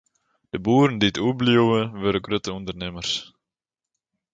De boeren dy't oerbliuwe, wurde grutte ûndernimmers.